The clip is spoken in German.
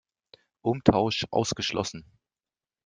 Umtausch ausgeschlossen!